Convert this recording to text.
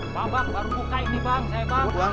bapak baru buka ini bang